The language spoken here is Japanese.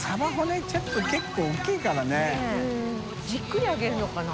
じっくり揚げるのかな？